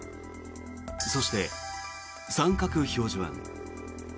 そして、三角表示板。